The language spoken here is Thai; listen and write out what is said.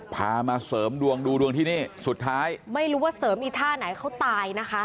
พามาเสริมดวงดูดวงที่นี่สุดท้ายไม่รู้ว่าเสริมอีกท่าไหนเขาตายนะคะ